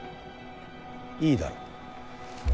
いいだろう。